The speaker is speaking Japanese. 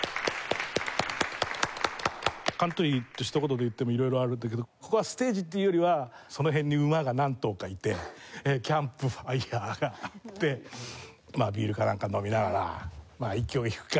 カントリーってひと言で言っても色々あるんだけどここはステージっていうよりはその辺に馬が何頭かいてキャンプファイアがあってまあビールかなんか飲みながら「まあ１曲弾くか」